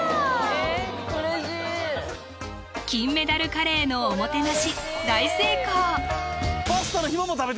うれしい金メダルカレーのおもてなし大成功！